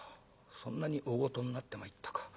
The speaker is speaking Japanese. そんなに大ごとになってまいったか。